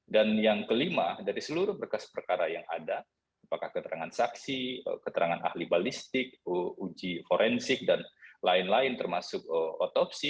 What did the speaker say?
dan yang kelima dari seluruh bekas perkara yang ada apakah keterangan saksi keterangan ahli balistik uji forensik dan lain lain termasuk otopsi